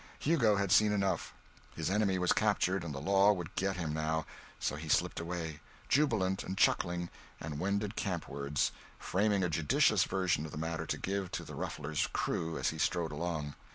Hugo had seen enough his enemy was captured and the law would get him, now so he slipped away, jubilant and chuckling, and wended campwards, framing a judicious version of the matter to give to the Ruffler's crew as he strode along.